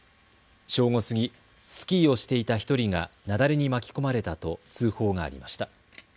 正午過ぎ、スキーをしていた１人が雪崩に巻き込まれたと通報がありました。